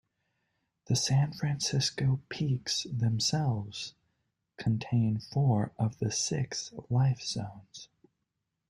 The San Francisco Peaks themselves contain four of the six life zones.